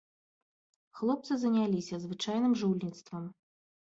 Хлопцы заняліся звычайным жульніцтвам.